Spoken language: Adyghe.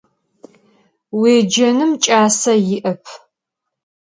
Vuêcenım ç'ase yi'ep.